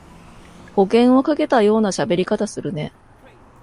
保険をかけたようなしゃべり方するね